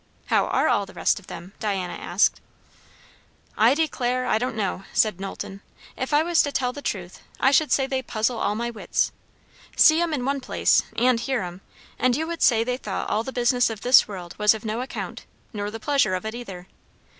"How are all the rest of them?" Diana asked. "I declare, I don't know!" said Knowlton. "If I was to tell the truth, I should say they puzzle all my wits. See 'em in one place and hear 'em and you would say they thought all the business of this world was of no account, nor the pleasure of it either.